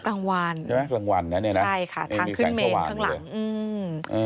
กลางวันใช่ไหมทางขึ้นเมนท์ข้างหลังอืมอืม